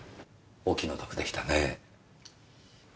お気の毒でしたね。